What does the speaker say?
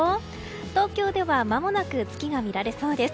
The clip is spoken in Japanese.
東京ではまもなく月が見られそうです。